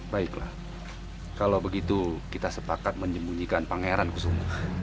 baiklah kalau begitu kita sepakat menyembunyikan pangeran kusumo